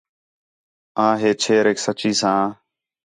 آں ہے چھیریک سچّی ساں